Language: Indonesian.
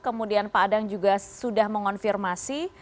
kemudian pak adang juga sudah mengonfirmasi